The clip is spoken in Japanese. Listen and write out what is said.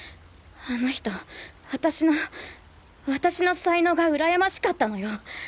あの人私の私の才能がうらやましかったのよ。